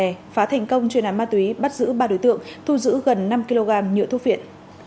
triệt phá thành công chuyên án ma túy bắt giữ ba đối tượng thu giữ gần năm kg nhựa thuốc viện